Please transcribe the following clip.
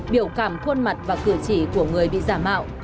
biểu cảm khuôn mặt và cử chỉ của người bị giả mạo